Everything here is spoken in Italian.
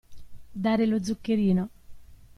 Dare lo zuccherino.